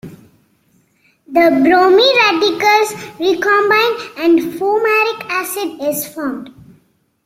The bromine radicals recombine and fumaric acid is formed.